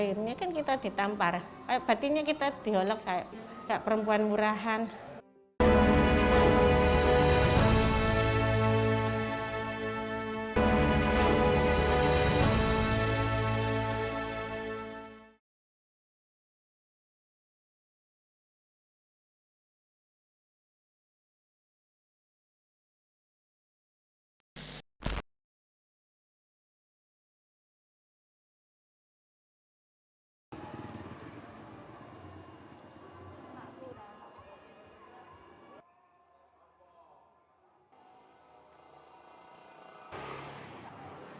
saya itu ekonomi itu bisa saya atasi ya kalau ada kerjasamanya